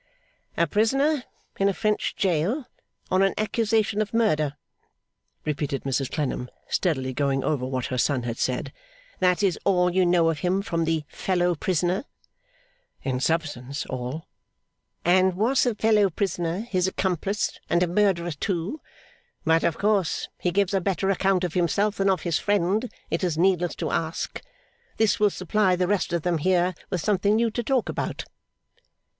'A prisoner, in a French gaol, on an accusation of murder,' repeated Mrs Clennam, steadily going over what her son had said. 'That is all you know of him from the fellow prisoner?' 'In substance, all.' 'And was the fellow prisoner his accomplice and a murderer, too? But, of course, he gives a better account of himself than of his friend; it is needless to ask. This will supply the rest of them here with something new to talk about.